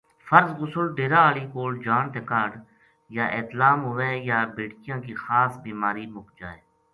فرض غسل ڈیرا آلی کول جان تے کاہڈ، یا احتلام ہووے، یا بیذٹکیاں کی خاص بیماری مک جائے۔